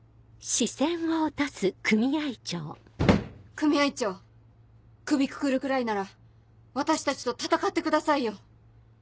組合長クビくくるくらいなら私たちと戦ってくださいよ。